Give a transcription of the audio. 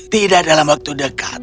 tidak dalam waktu dekat